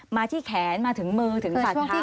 มาที่แขนมาถึงมือถึงสัตว์เท้าไหม